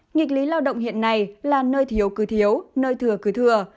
nghịch lý lao động hiện nay là nơi thiếu cứ thiếu nơi thừa cứ thừa